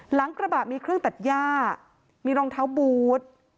หลังกระบะมีเครื่องตัดย่ามีรองเท้าบูธ